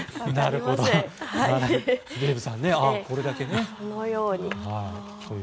デーブさん、これだけね。